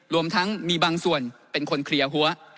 รวมทั้งมีบางส่วนเป็นคนเคลียร์หัว